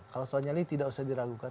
kalau soal nyali tidak usah diragukan